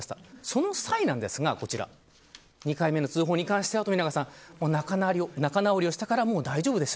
その際、こちら２回目の通報に関しては仲直りをしたからもう大丈夫。